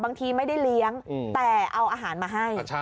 บางทีไม่ได้เลี้ยงแต่เอาอาหารมาให้